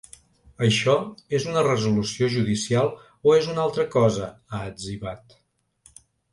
Això és una resolució judicial o és una altra cosa?, ha etzibat.